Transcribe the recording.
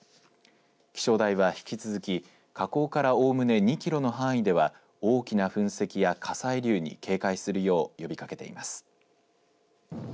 気象台は引き続き、火口からおおむね２キロの範囲では大きな噴石や火砕流に警戒するよう呼びかけています。